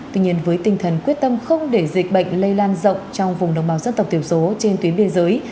tuy nhiên với tinh thần quyết tâm không để dịch bệnh lây lan rộng trong vùng đồng bào dân tộc tiểu số trên tuyến biên giới